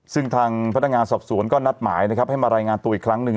ซึ่งทางพนักงานสอบสวนก็นัดหมายนะครับให้มารายงานตัวอีกครั้งหนึ่ง